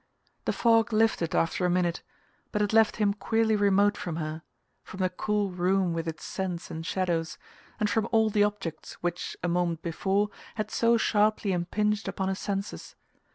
The fog lifted after a minute, but it left him queerly remote from her, from the cool room with its scents and shadows, and from all the objects which, a moment before, had so sharply impinged upon his senses.